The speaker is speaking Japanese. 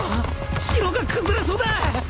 城が崩れそうだ！